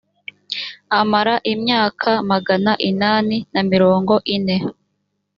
amara imyaka magana inani na mirongo ine